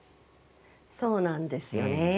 そうなんですよね。